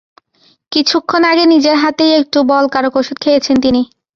কিছুক্ষণ আগে নিজের হাতেই একটু বলকারক ওষুধ খেয়েছেন তিনি।